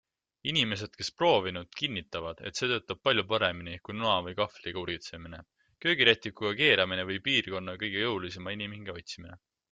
Inimesed, kes proovinud, kinnitavad, et see töötab palju paremini kui noa või kahvliga urgitsemine, köögirätikuga keeramine või piirkonna kõige jõulisema inimhinge otsimine.